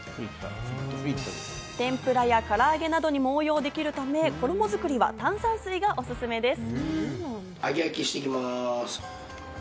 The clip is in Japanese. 天ぷらやから揚げなどにも応用できるため、衣作りは炭酸水がおすすめです。